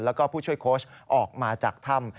แล้วก็ผู้ช่วยโค้ชออกมาจากถ้ำ